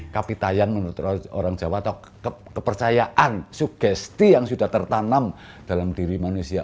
kapitayan menurut orang jawa atau kepercayaan sugesti yang sudah tertanam dalam diri manusia